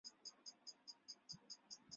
艾克林根是德国下萨克森州的一个市镇。